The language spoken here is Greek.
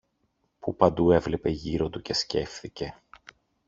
που παντού έβλεπε γύρω του και σκέφθηκε